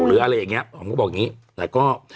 อ๋อมก็บอกอย่างนี้